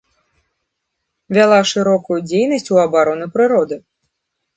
Вяла шырокую дзейнасць у абарону прыроды.